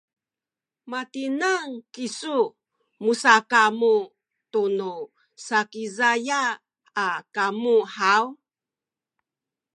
matineng kisu musakamu tunu Sakizaya a kamu haw?